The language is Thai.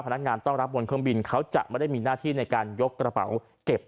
พนักงานต้อนรับบนเครื่องบินเขาจะไม่ได้มีหน้าที่ในการยกกระเป๋าเก็บ